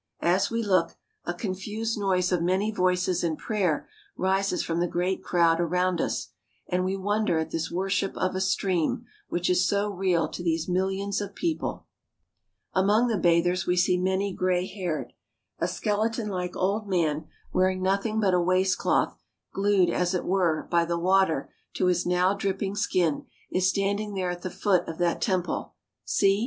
As we look, a confused noise of many voices in prayer rises from the great crowd about us, and we wonder at this worship of a stream, which is so real to these millions of people. (281) Now look at the crowd in the river. 282 THE RELIGIONS OF INDIA Among the bathers, we see many gray haired. A skeleton like old man wearing nothing but a waistcloth, glued, as it were, by the water to his now dripping skin, is standing there at the foot of that temple. See